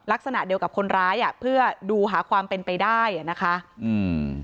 ลักษณะเดียวกับคนร้ายอ่ะเพื่อดูหาความเป็นไปได้อ่ะนะคะอืม